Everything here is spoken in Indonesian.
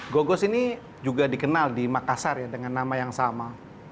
gogos ini juga dikenal di makassar ya dengan nama yang sama